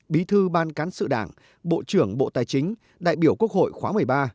bí thư ban cán sự đảng bộ trưởng bộ tài chính đại biểu quốc hội khóa một mươi ba